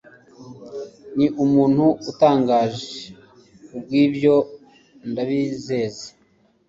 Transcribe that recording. ni umuntu utangaje kubwibyo ndabizeza